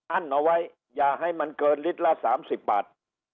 อั้นเอาไว้อย่าให้มันเกินลิตรละ๓๐บาท